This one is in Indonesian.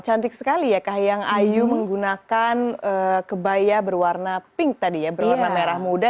cantik sekali ya kahiyang ayu menggunakan kebaya berwarna pink tadi ya berwarna merah muda